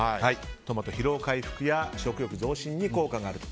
トマト、疲労回復や食欲増進に効果があると。